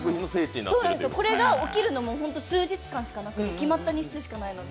これが起きるのも数日間しかなくて決まった日数しかないので。